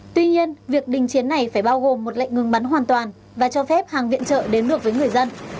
tuy nhiên việc đình chiến này phải bao gồm một lệnh ngừng bắn hoàn toàn và cho phép hàng viện trợ đến được với người dân